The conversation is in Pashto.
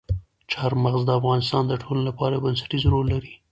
چار مغز د افغانستان د ټولنې لپاره یو بنسټيز رول لري.